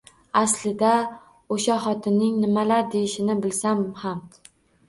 Aslida o`sha xotinning nimalar deyishini bilsam ham